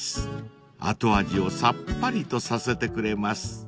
［後味をさっぱりとさせてくれます］